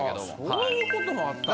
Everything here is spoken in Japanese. そういうことがあったんや。